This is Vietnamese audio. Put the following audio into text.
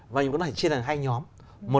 và chúng ta có thể chia thành hai nhóm